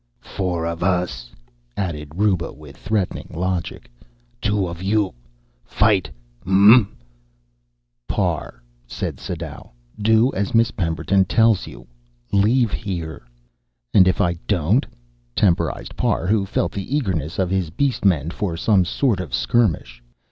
"Four of us," added Ruba with threatening logic. "Two of you. Fight, uh?" "Parr," said Sadau, "do as Miss Pemberton tells you. Leave here." "And if I don't?" temporized Parr, who felt the eagerness of his beast men for some sort of a skirmish.